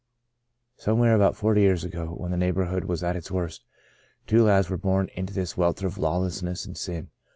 Somewhere around forty years ago, when the neighbourhood was at its worst, two lads were born into this welter of lawlessness and sin.